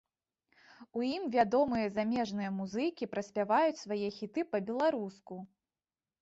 У ім вядомыя замежныя музыкі пераспяваюць свае хіты па-беларуску.